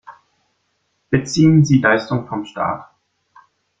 Beziehen sie Leistungen von Staat?